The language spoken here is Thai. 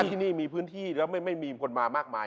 ที่นี่มีพื้นที่แล้วไม่มีคนมามากมาย